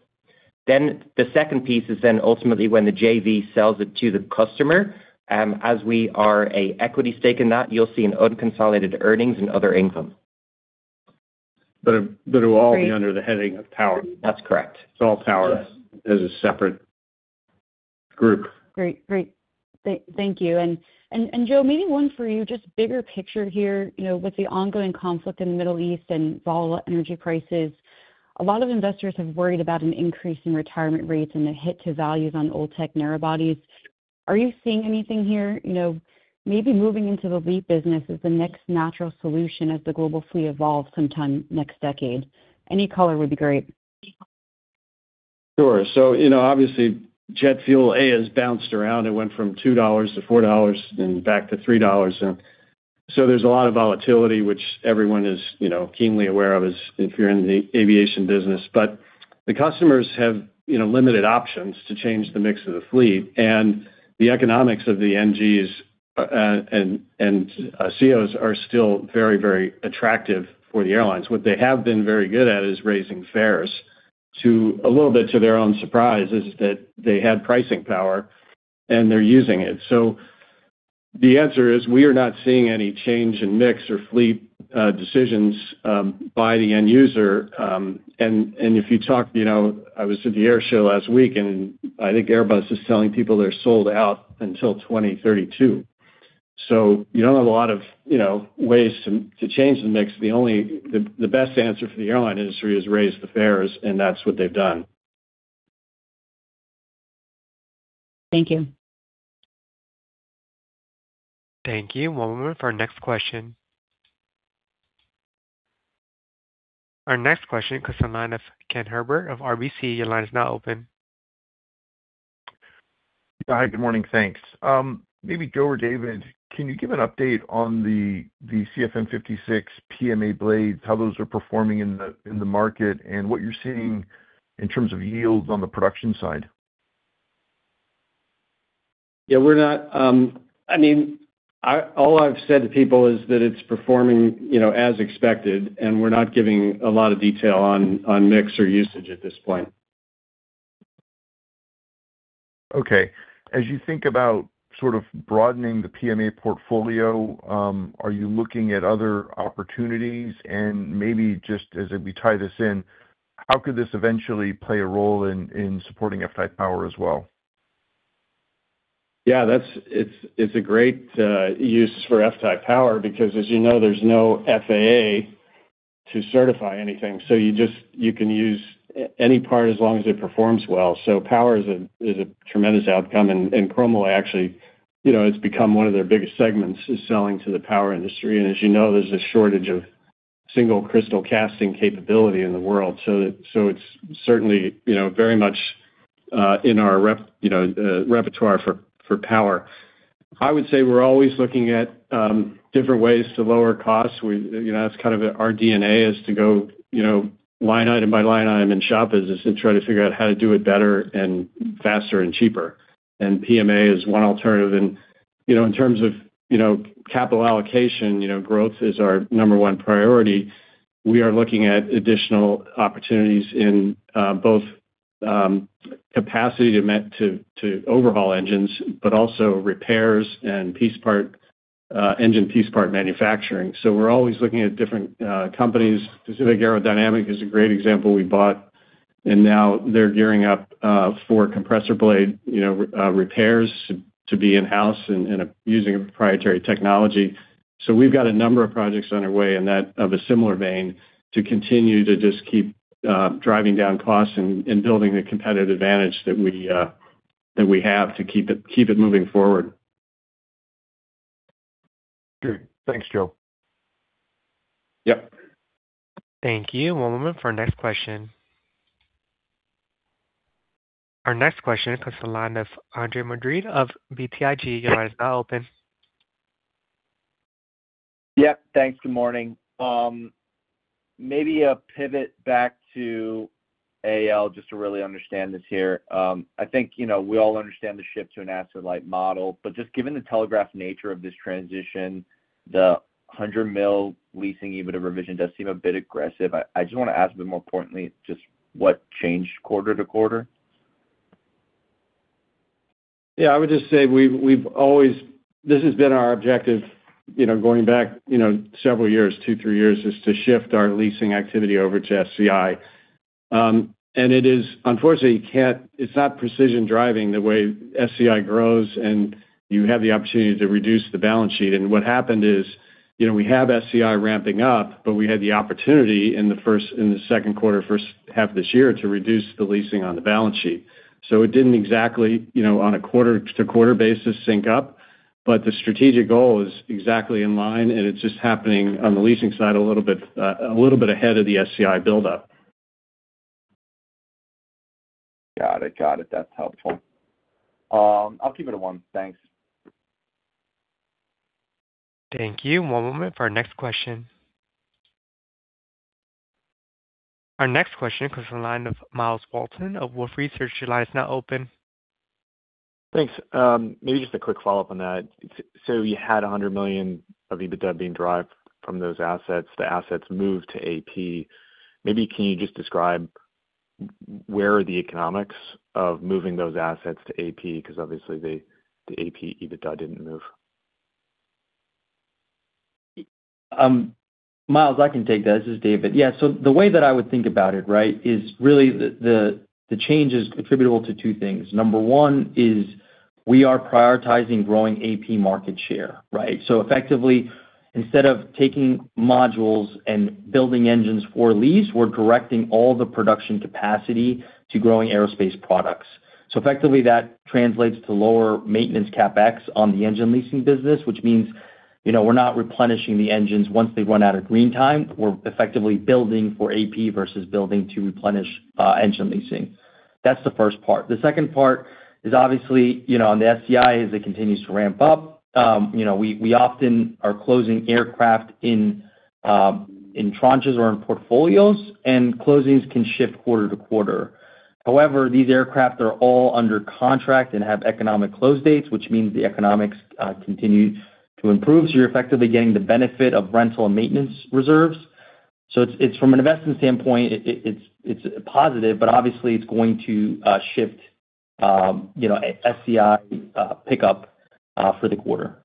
The second piece is ultimately when the JV sells it to the customer. As we are an equity stake in that, you'll see an unconsolidated earnings and other income. It will all be under the heading of Power. That's correct. It's all Power as a separate group. Great. Thank you. Joe, maybe one for you, just bigger picture here. With the ongoing conflict in the Middle East and volatile energy prices, a lot of investors have worried about an increase in retirement rates and a hit to values on old tech narrow bodies. Are you seeing anything here? Maybe moving into the LEAP business is the next natural solution as the global fleet evolves sometime next decade. Any color would be great. Sure. Obviously, jet fuel has bounced around. It went from $2 to $4 and back to $3. There's a lot of volatility, which everyone is keenly aware of if you're in the aviation business. The customers have limited options to change the mix of the fleet, and the economics of the NGs and CEOs are still very, very attractive for the airlines. What they have been very good at is raising fares a little bit to their own surprise, is that they had pricing power, and they're using it. The answer is we are not seeing any change in mix or fleet decisions by the end user. If you talk, I was at the air show last week, and I think Airbus is telling people they're sold out until 2032. You don't have a lot of ways to change the mix. The best answer for the airline industry is raise the fares, and that's what they've done. Thank you. Thank you. One moment for our next question. Our next question comes from the line of Ken Herbert of RBC. Your line is now open. Hi, good morning. Thanks. Maybe Joe or David, can you give an update on the CFM56 PMA blades, how those are performing in the market, and what you're seeing in terms of yields on the production side? Yeah. All I've said to people is that it's performing as expected, and we're not giving a lot of detail on mix or usage at this point. Okay. As you think about sort of broadening the PMA portfolio, are you looking at other opportunities? Maybe just as we tie this in, how could this eventually play a role in supporting FTAI Power as well? Yeah, it's a great use for FTAI Power because, as you know, there's no FAA to certify anything. You can use any part as long as it performs well. Power is a tremendous outcome, and Chromalloy actually, it's become one of their biggest segments, is selling to the power industry. As you know, there's a shortage of single crystal casting capability in the world. It's certainly very much in our repertoire for power. I would say we're always looking at different ways to lower costs. That's kind of our DNA, is to go line item by line item in shop business and try to figure out how to do it better and faster and cheaper. PMA is one alternative. In terms of capital allocation, growth is our number one priority. We are looking at additional opportunities in both capacity to overhaul engines, but also repairs and engine piece part manufacturing. We're always looking at different companies. Pacific Aerodynamic is a great example we bought, and now they're gearing up for compressor blade repairs to be in-house and using a proprietary technology. We've got a number of projects underway of a similar vein to continue to just keep driving down costs and building the competitive advantage that we have to keep it moving forward. Great. Thanks, Joe. Yep. Thank you. One moment for our next question. Our next question comes to the line of Andre Madrid of BTIG. Your line is now open. Yeah, thanks. Good morning. Maybe a pivot back, just to really understand this here. I think we all understand the shift to an asset-light model, but just given the telegraphed nature of this transition, the $100 million leasing EBITDA revision does seem a bit aggressive. I just want to ask, but more importantly, just what changed quarter-to-quarter? I would just say this has been our objective going back several years, two, three years, is to shift our leasing activity over to SCI. Unfortunately, it's not precision driving the way SCI grows, and you have the opportunity to reduce the balance sheet. What happened is, we have SCI ramping up, but we had the opportunity in the second quarter, first half of this year to reduce the leasing on the balance sheet. It didn't exactly, on a quarter-to-quarter basis, sync up. The strategic goal is exactly in line, and it's just happening on the leasing side a little bit ahead of the SCI buildup. Got it. That's helpful. I'll keep it at one. Thanks. Thank you. One moment for our next question. Our next question comes from the line of Myles Walton of Wolfe Research. Your line is now open. Thanks. Maybe just a quick follow-up on that. You had $100 million of EBITDA being derived from those assets. The assets moved to AP. Maybe can you just describe where are the economics of moving those assets to AP? Obviously, the AP EBITDA didn't move. Myles, I can take that. This is David. Yeah. The way that I would think about it is really the change is attributable to two things. Number one is we are prioritizing growing AP market share. Effectively, instead of taking modules and building engines for lease, we're directing all the production capacity to growing aerospace products. Effectively, that translates to lower maintenance CapEx on the engine leasing business, which means we're not replenishing the engines once they run out of green time. We're effectively building for AP versus building to replenish engine leasing. That's the first part. The second part is obviously, on the SCI, as it continues to ramp up, we often are closing aircraft in tranches or in portfolios, and closings can shift quarter-to-quarter. However, these aircraft are all under contract and have economic close dates, which means the economics continue to improve. You're effectively getting the benefit of rental and maintenance reserves. From an investment standpoint, it's positive, but obviously, it's going to shift SCI pickup for the quarter.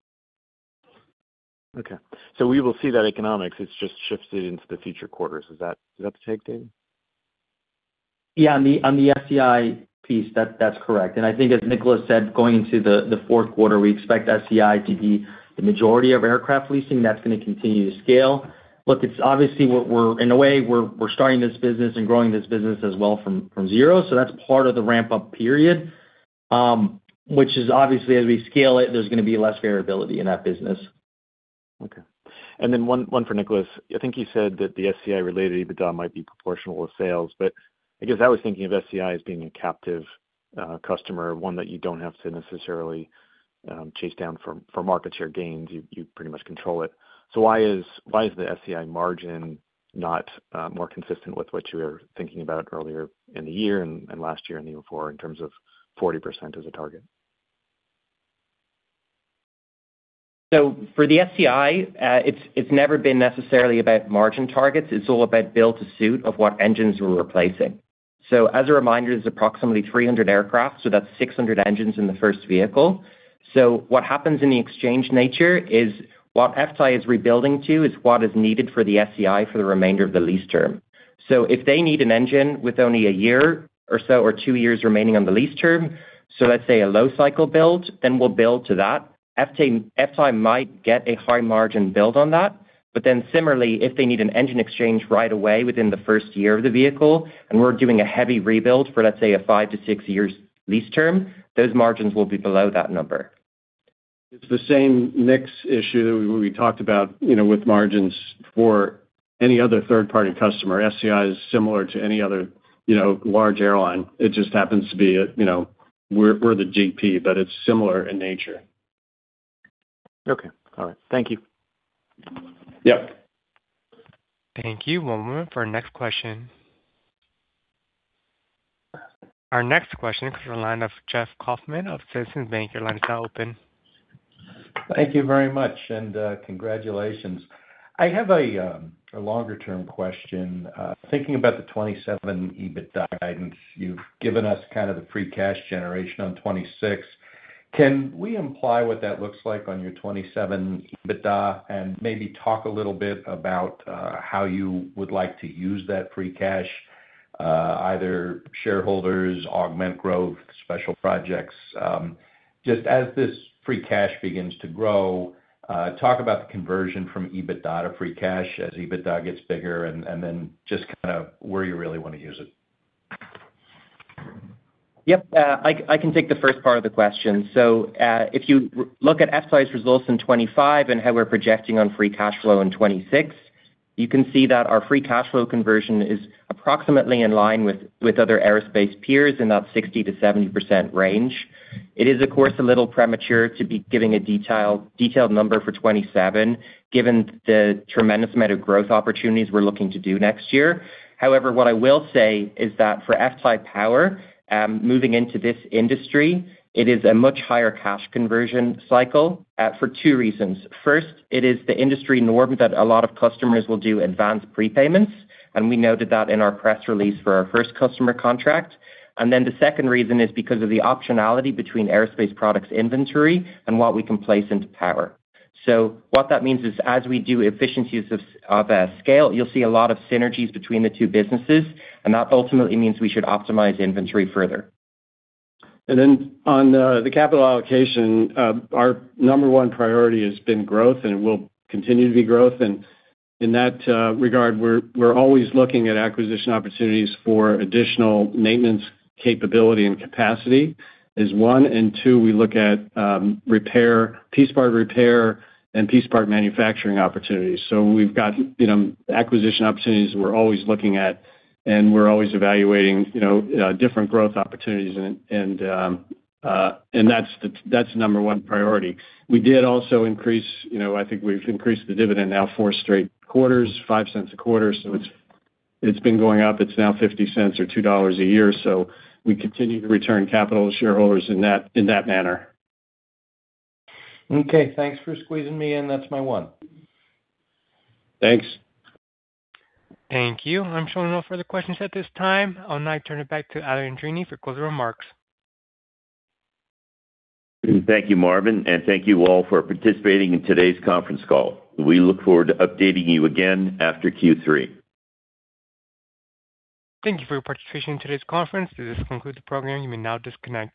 Okay. We will see that economics, it's just shifted into the future quarters. Is that the take, David? Yeah. On the SCI piece, that's correct. I think as Nicholas said, going into the fourth quarter, we expect SCI to be the majority of aircraft leasing. That's going to continue to scale. Look, it's obviously, in a way, we're starting this business and growing this business as well from zero. That's part of the ramp-up period, which is obviously as we scale it, there's going to be less variability in that business. Okay. One for Nicholas. I think you said that the SCI-related EBITDA might be proportional with sales, I guess I was thinking of SCI as being a captive customer, one that you don't have to necessarily chase down for market share gains. You pretty much control it. Why is the SCI margin not more consistent with what you were thinking about earlier in the year and last year in the Q4 in terms of 40% as a target? For the SCI, it's never been necessarily about margin targets. It's all about build to suit of what engines we're replacing. As a reminder, there's approximately 300 aircraft, that's 600 engines in the first vehicle. What happens in the exchange nature is what FTAI is rebuilding to is what is needed for the SCI for the remainder of the lease term. If they need an engine with only a year or so, or two years remaining on the lease term, let's say a low cycle build, then we'll build to that. FTAI might get a high margin build on that, similarly, if they need an engine exchange right away within the first year of the vehicle, and we're doing a heavy rebuild for, let's say, a five to six years lease term, those margins will be below that number. It's the same mix issue that we talked about with margins for any other third-party customer. SCI is similar to any other large airline. It just happens to be we're the GP, it's similar in nature. Okay. All right. Thank you. Yep. Thank you. One moment for our next question. Our next question comes from the line of Jeff Kauffman of Citizens Bank. Your line is now open. Thank you very much. Congratulations. I have a longer-term question. Thinking about the 2027 EBITDA guidance, you've given us kind of the free cash generation on 2026. Can we imply what that looks like on your 2027 EBITDA, and maybe talk a little bit about how you would like to use that free cash, either shareholders, augment growth, special projects? Just as this free cash begins to grow, talk about the conversion from EBITDA to free cash as EBITDA gets bigger, and then just kind of where you really want to use it. Yep. I can take the first part of the question. If you look at FTAI's results in 2025 and how we're projecting on free cash flow in 2026, you can see that our free cash flow conversion is approximately in line with other aerospace peers in that 60%-70% range. It is, of course, a little premature to be giving a detailed number for 2027, given the tremendous amount of growth opportunities we're looking to do next year. However, what I will say is that for FTAI Power, moving into this industry, it is a much higher cash conversion cycle for two reasons. First, it is the industry norm that a lot of customers will do advanced prepayments, and we noted that in our press release for our first customer contract. The second reason is because of the optionality between aerospace products inventory and what we can place into Power. What that means is as we do efficiencies of scale, you'll see a lot of synergies between the two businesses, and that ultimately means we should optimize inventory further. On the capital allocation, our number one priority has been growth, and it will continue to be growth. In that regard, we're always looking at acquisition opportunities for additional maintenance capability and capacity is one, and two, we look at piece part repair and piece part manufacturing opportunities. We've got acquisition opportunities we're always looking at, and we're always evaluating different growth opportunities, and that's the number one priority. We did also increase, I think we've increased the dividend now four straight quarters, $0.05 a quarter. It's been going up. It's now $0.50 or $2 a year. We continue to return capital to shareholders in that manner. Okay. Thanks for squeezing me in. That's my one. Thanks. Thank you. I'm showing no further questions at this time. I'll now turn it back to Alan Andreini for closing remarks. Thank you, Marvin, and thank you all for participating in today's conference call. We look forward to updating you again after Q3. Thank you for your participation in today's conference. This concludes the program. You may now disconnect.